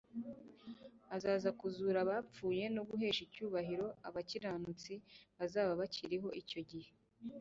Azaza kuzura abapfuye no guhesha icyubahiro abakiranutsi bazaba bakiriho icyo gihe.